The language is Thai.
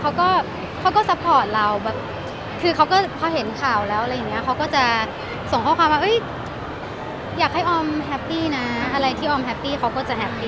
เขาก็เขาก็ซัพพอร์ตเราแบบคือเขาก็พอเห็นข่าวแล้วอะไรอย่างเงี้ยเขาก็จะส่งข้อความว่าอยากให้ออมแฮปปี้นะอะไรที่ออมแฮปปี้เขาก็จะแฮปปี้